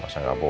masa gak boleh